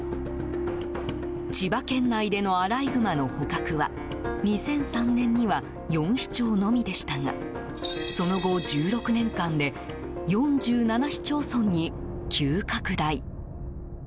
千葉県内でのアライグマの捕獲は２００３年には４市町のみでしたがその後、１６年間で４７市町村に急拡大。